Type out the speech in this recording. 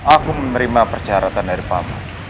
aku menerima persyaratan dari papa